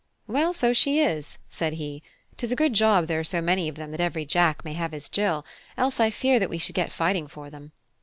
"Well, so she is," said he. "'Tis a good job there are so many of them that every Jack may have his Jill: else I fear that we should get fighting for them.